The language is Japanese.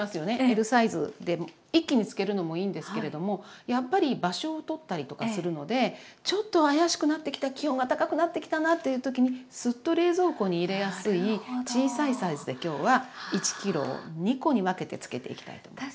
Ｌサイズで一気に漬けるのもいいんですけれどもやっぱり場所をとったりとかするのでちょっと怪しくなってきた気温が高くなってきたなという時にスッと冷蔵庫に入れやすい小さいサイズで今日は１ｋｇを２コに分けて漬けていきたいと思います。